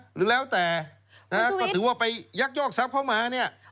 หรือแล้วแต่ก็ถือว่าไปยักษ์ยอกทรัพย์เข้ามา